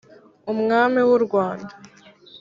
Umwami w'u Rwanda